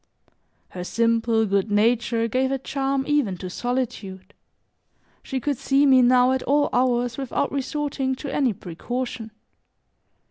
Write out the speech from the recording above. Her simple, good nature gave a charm even to solitude; she could see me now at all hours without resorting to any precaution.